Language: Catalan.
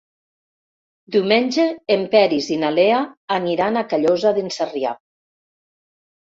Diumenge en Peris i na Lea aniran a Callosa d'en Sarrià.